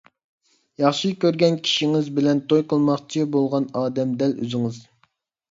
ياخشى كۆرگەن كىشىڭىز بىلەن توي قىلماقچى بولغان ئادەم دەل ئۆزىڭىز!